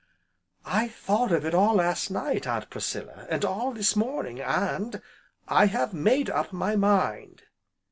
"I thought of it all last night, Aunt Priscilla, and all this morning, and I have made up my mind."